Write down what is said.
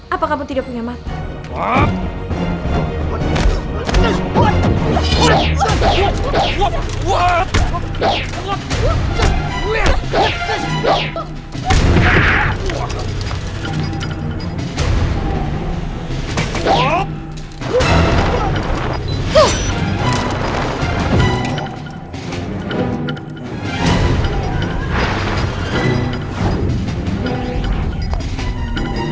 apa kamu tidak punya mati